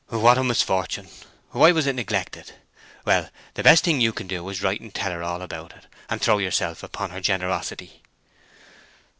"What a misfortune! Why was this neglected? Well, the best thing you can do is to write and tell her all about it, and throw yourself upon her generosity."